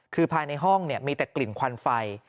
คือภายในห้องมีแต่กลิ่นควันไฟ